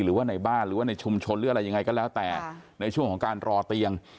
หรือว่าในบ้านหรือว่าในชุมชนหรืออะไรยังไงก็แล้วแต่ในช่วงของการรอเตียง